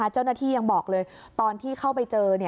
เจ้าหน้าที่ยังบอกเลยตอนที่เข้าไปเจอ